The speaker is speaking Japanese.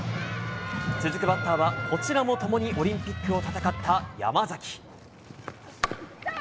続くバッターはこちらも共にオリンピックを戦った山崎。